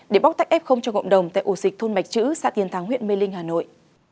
để bóc tách f cho cộng đồng tại ổ dịch thôn bạch chữ xã tiền thắng huyện mê linh hà nội